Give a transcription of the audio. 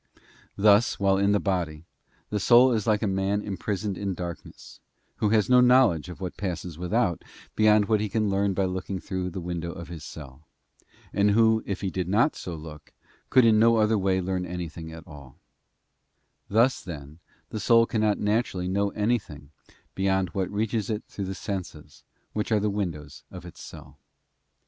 Thus, while in the body, the soul is like a man imprisoned in darkness, who has no knowledge of what passes without beyond what he can learn by looking through the window of his cell, and who if he did not so look could in no other way learn anything at all, Thus, then, the soul cannot naturally know anything beyond what reaches it through the senses, which are the windows of its cell.